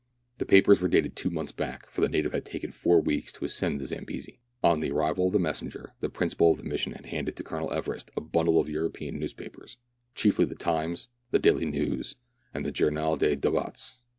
The papers were dated two months back, for the native had taken four weeks to ascend the Zambesi. On the arrival of the messenger, the principal of the mission had handed to Colonel Everest a bundle of European newspapers, chiefly the Times, the Daily Neius, and the Journal des Debats.